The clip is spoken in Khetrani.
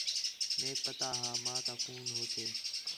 میک پتا ہا ماں تا فون ہوسے